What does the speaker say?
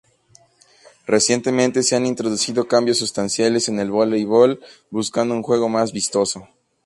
Recientemente se han introducido cambios sustanciales en el voleibol buscando un juego más vistoso.